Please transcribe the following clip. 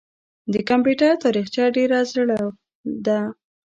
د کمپیوټر تاریخچه ډېره زړه ده.